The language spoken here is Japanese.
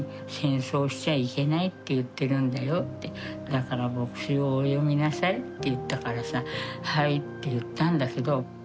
「だから墨子をお読みなさい」って言ったからさ「はい」って言ったんだけど。